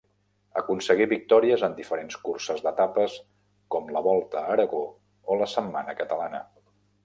Aconseguí victòries en diferents curses d'etapes com la Volta a Aragó o la Setmana Catalana.